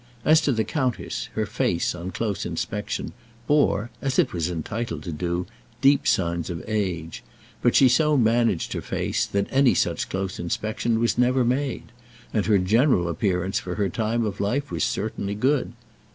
As to the countess, her face, on close inspection, bore, as it was entitled to do, deep signs of age; but she so managed her face that any such close inspection was never made; and her general appearance for her time of life was certainly good.